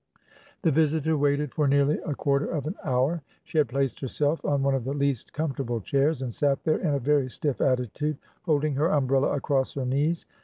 The visitor waited for nearly a quarter of an hour. She had placed herself on one of the least comfortable chairs, and sat there in a very stiff attitude, holding her umbrella across her knees.